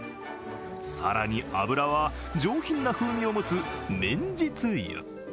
更に油は、上品な風味を持つ綿実油。